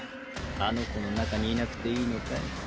あの子の中にいなくていいのかい？